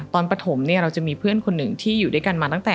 ปฐมเนี่ยเราจะมีเพื่อนคนหนึ่งที่อยู่ด้วยกันมาตั้งแต่